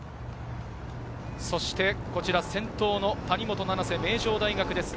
先頭の谷本七星、名城大学です。